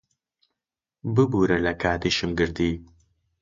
ببوورە لە کاتیشم گرتی.